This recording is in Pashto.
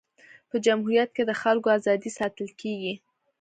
په جمهوریت کي د خلکو ازادي ساتل کيږي.